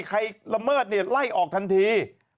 ละเมิดเนี่ยไล่ออกทันที